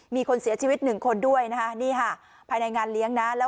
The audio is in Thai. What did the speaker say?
มีคนเสียชีวิตหนึ่งคนด้วยนะคะนี่ค่ะภายในงานเลี้ยงนะ